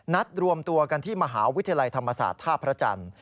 นัดรวมตัวกันที่มหาวิทยาลัยธรรมศาสตร์ท่าพระจันทร์